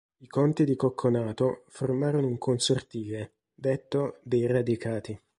I conti di Cocconato formarono un consortile, detto dei Radicati.